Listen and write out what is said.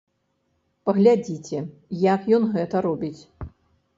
Паглядзіце, як ён гэта робіць!